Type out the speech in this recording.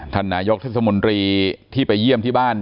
ท่านนายกเทศมนตรีที่ไปเยี่ยมที่บ้าน